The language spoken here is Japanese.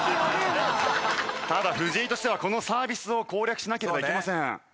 ただ藤井としてはこのサービスを攻略しなければいけません。